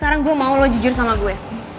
sekarang gue mau lo jujur sama gue